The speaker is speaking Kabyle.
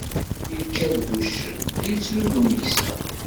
Yečča d wuccen, yettru d umeksa.